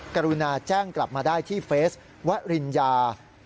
กรุณาแจ้งกลับมาได้ที่เฟสวริญญา